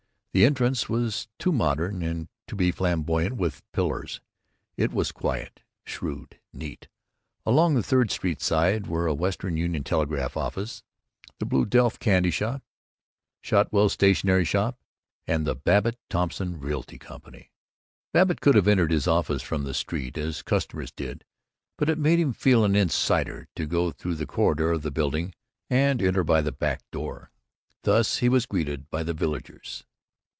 The entrance was too modern to be flamboyant with pillars; it was quiet, shrewd, neat. Along the Third Street side were a Western Union Telegraph Office, the Blue Delft Candy Shop, Shotwell's Stationery Shop, and the Babbitt Thompson Realty Company. Babbitt could have entered his office from the street, as customers did, but it made him feel an insider to go through the corridor of the building and enter by the back door. Thus he was greeted by the villagers.